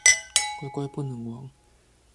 乖乖不能亡